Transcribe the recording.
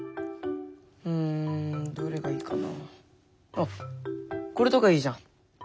あっこれとかいいじゃん。